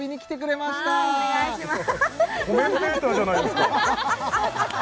コメンテーターじゃないですか！